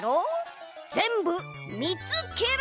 ぜんぶみつケロ！